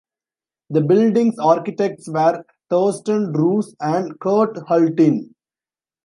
The building's architects were Thorsten Roos and Kurt Hultin.